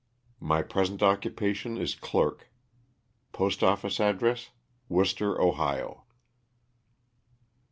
My present occupation is clerk. Postoffice address, Wooster, Ohio.